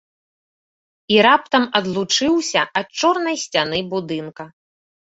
І раптам адлучыўся ад чорнай сцяны будынка.